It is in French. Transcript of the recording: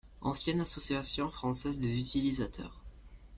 Ancienne association française des utilisateurs.